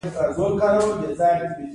دا د افغانستان په څېر هېوادونو لپاره هم دی.